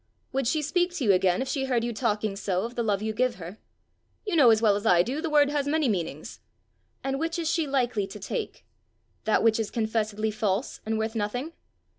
"Would she speak to you again if she heard you talking so of the love you give her?" "You know as well as I do the word has many meanings!" "And which is she likely to take? That which is confessedly false and worth nothing?"